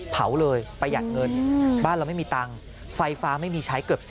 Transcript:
เผาเลยประหยัดเงินบ้านเราไม่มีตังค์ไฟฟ้าไม่มีใช้เกือบ๑๐